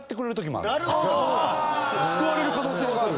救われる可能性がある。